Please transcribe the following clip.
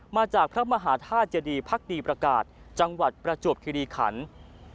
มาจากพระมหาธาตุเจดีพักดีประกาศจังหวัดประจวบคิริขัน